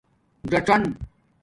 ثڅان